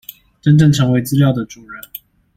真正成為資料的主人